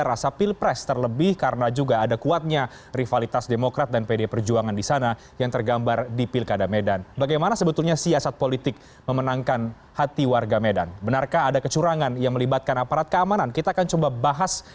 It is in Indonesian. assalamualaikum warahmatullahi wabarakatuh